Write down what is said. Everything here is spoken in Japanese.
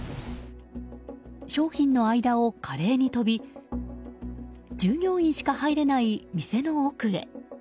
商品の間を華麗に飛び従業員しか入れない店の奥へ。